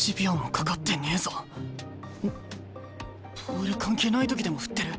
ボール関係ない時でも振ってる。